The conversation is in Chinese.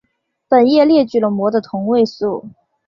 本页列举了镆的同位素。